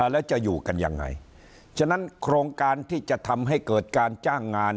แล้วจะอยู่กันยังไงฉะนั้นโครงการที่จะทำให้เกิดการจ้างงาน